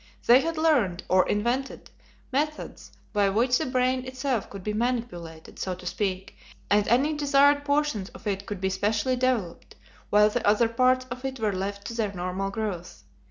They had learned, or invented, methods by which the brain itself could be manipulated, so to speak, and any desired portions of it could be specially developed, while the other parts of it were left to their normal growth.